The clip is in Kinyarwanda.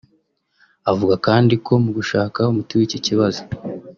Avuga kandi ko mu gushaka umuti w’iki kibazo